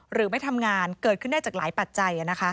หรือไม่ทำงานเกิดขึ้นได้จากหลายปัจจัย